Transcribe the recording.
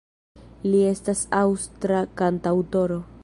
Li estas aŭstra kantaŭtoro.